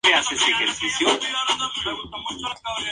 El que quiera, con linterna me va a encontrar.